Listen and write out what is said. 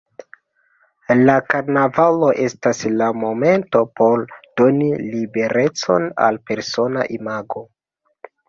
La Karnavalo estas la momento por doni liberecon al persona imago.